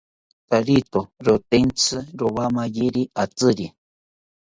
Tarito rotentsi rowamayiri atziri